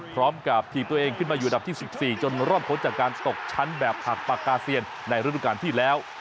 พร้อมกับถีบตัวเองขึ้นมาอยู่อันดับที่๑๔จนรอดพ้นจากการตกชั้นแบบหักปากกาเซียนในฤดูการที่แล้ว